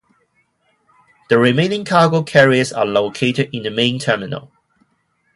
The remaining Cargo Carriers are located in the Main Terminal.